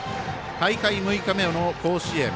大会６日目の甲子園。